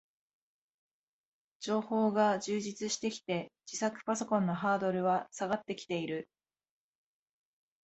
情報が充実してきて、自作パソコンのハードルは下がってきている